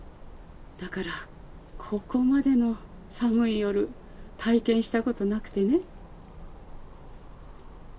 だからここまでの寒い夜体験したことなくてね。